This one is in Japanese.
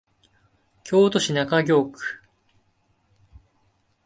京都市中京区